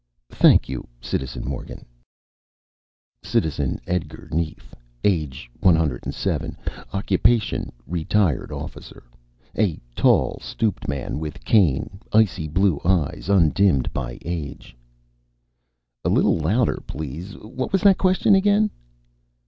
"Thank you, Citizen Morgan." (Citizen Edgar Nief, age 107, occupation retired officer. A tall, stooped man with cane, icy blue eyes undimmed by age.) "A little louder, please. What was that question again?"